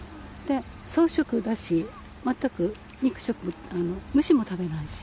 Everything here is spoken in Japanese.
草食だし、全く肉食、虫も食べないし。